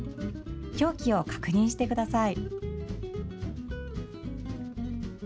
表記を確認してください。